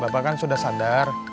bapak kan sudah sadar